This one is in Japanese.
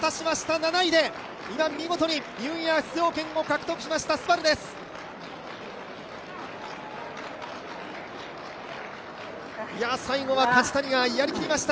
７位で今、見事にニューイヤー出場権を獲得しました。